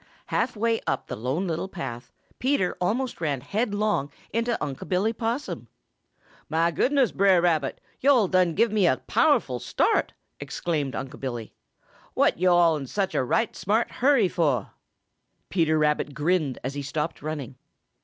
Half way up the Lone Little Path Peter almost ran headlong into Unc' Billy Possum. "Mah goodness, Brer Rabbit, yo'all done give me a powerful start!" exclaimed Unc' Billy. "What yo'all in such a right smart hurry fo'?" Peter Rabbit grinned as he stopped running.